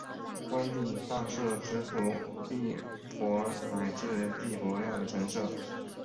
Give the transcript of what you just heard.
官币大社支付币帛乃至币帛料的神社。